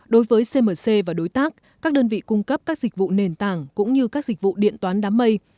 đối với cmc và đối tác các đơn vị cung cấp các dịch vụ nền tảng cũng như các dịch vụ điện toán đám mây